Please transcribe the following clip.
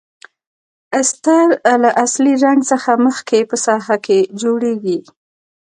استر له اصلي رنګ څخه مخکې په ساحه کې جوړیږي.